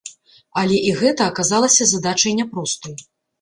Але і гэта аказалася задачай няпростай.